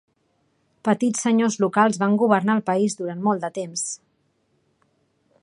Petits senyors locals van governar el país durant molt de temps.